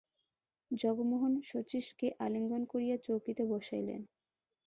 জগমোহন শচীশকে আলিঙ্গন করিয়া চৌকিতে বসাইলেন।